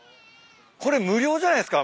これ無料じゃないっすか？